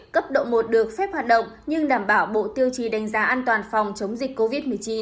cấp độ một được phép hoạt động nhưng đảm bảo bộ tiêu chí đánh giá an toàn phòng chống dịch covid một mươi chín